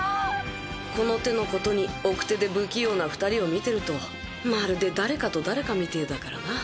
この手のことに奥手で不器用な２人を見てるとまるで誰かと誰かみてぇだからな。